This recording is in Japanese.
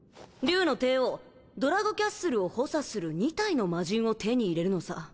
「龍の帝王」ドラゴキャッスルを補佐する２体のマジンを手に入れるのさ